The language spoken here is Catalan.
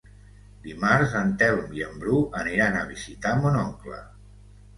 Dimarts en Telm i en Bru aniran a visitar mon oncle.